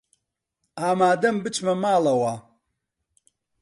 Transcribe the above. ئامادەم بچمە ماڵەوە.